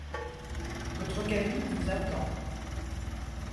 Votre cabine vous attend.